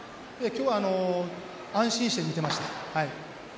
今日は安心して見てました。